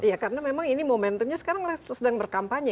iya karena memang ini momentumnya sekarang sedang berkampanye